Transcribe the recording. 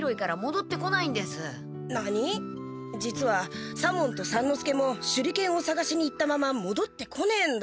実は左門と三之助も手裏剣をさがしに行ったままもどってこねえんだ。